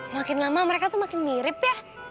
makin lama mereka tuh makin mirip ya